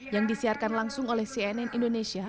yang disiarkan langsung oleh cnn indonesia